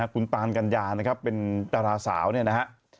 คุณตานกัญญานะครับเป็นดาราสาวเนี่ยนะฮะ